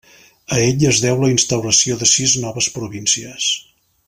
A ell es deu la instauració de sis noves províncies.